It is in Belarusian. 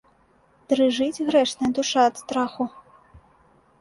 Дрыжыць грэшная душа ад страху.